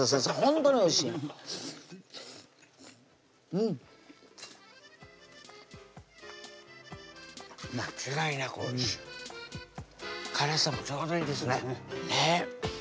うん間違いなくおいしい辛さもちょうどいいですね